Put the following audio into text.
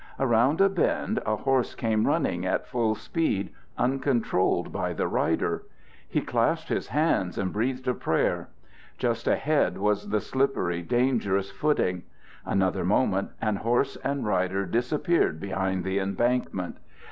Around a bend a horse came running at full speed, uncontrolled by the rider. He clasped his hands and breathed a prayer. Just ahead was the slippery, dangerous footing. Another moment and horse and rider disappeared behind the embankment.